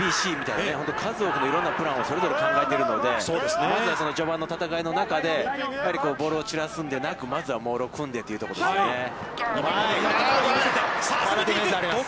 また、プランＡＢＣみたいな本当に数多くのいろんなプランＡ、Ｂ、Ｃをそれぞれ考えているので、まずは序盤の戦いの中でやっぱりボールを散らすんでなく、まずはモールを組んでというところですよね。